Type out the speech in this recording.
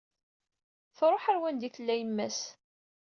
Truḥ ar wanda i tella yemma-s.